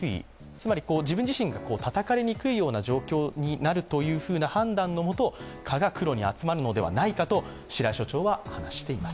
つまり自分自身がたたかれにくい状況にあるという判断のもと、蚊が黒に集まるのではないかと白井所長は話しています。